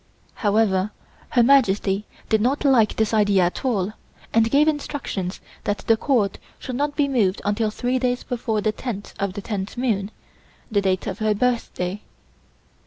However, Her Majesty did not like this idea at all, and gave instructions that the Court should not be moved until three days before the 10th of the tenth moon, the date of her birthday.